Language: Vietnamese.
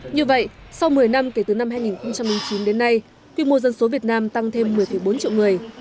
như vậy sau một mươi năm kể từ năm hai nghìn chín đến nay quy mô dân số việt nam tăng thêm một mươi bốn triệu người